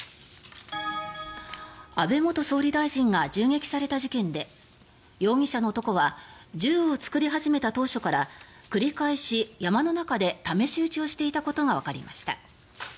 安倍元総理大臣が銃撃された事件で容疑者の男は銃を作り始めた当初から繰り返し山の中で試し撃ちをしていたことがわかりました。